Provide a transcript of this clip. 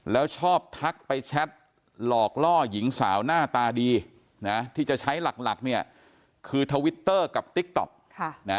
แล้วชอบทักไปแชทหลอกล่อหญิงสาวหน้าตาดีนะที่จะใช้หลักเนี่ยคือทวิตเตอร์กับติ๊กต๊อก